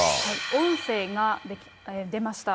音声が出ました。